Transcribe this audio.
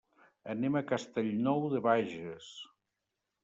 Anem a Castellnou de Bages.